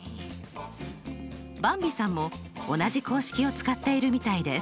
ばんびさんも同じ公式を使っているみたいです。